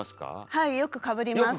はいよくかぶります。